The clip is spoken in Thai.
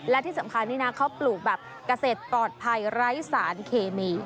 และที่สำคัญนี่นะเขาปลูกแบบเกษตรปลอดภัยไร้สารเคมี